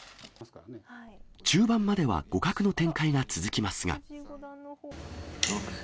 中盤までは互角の展開が続きますが。